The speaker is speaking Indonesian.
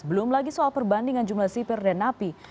belum lagi soal perbandingan jumlah sipir dan napi